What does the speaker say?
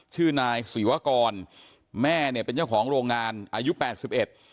ชื่อนายศรีวกรแม่เนี่ยเป็นเจ้าของโรงงานอายุแปดสิบเอ็ด